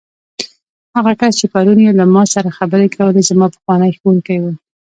هغه کس چې پرون یې له ما سره خبرې کولې، زما پخوانی ښوونکی و.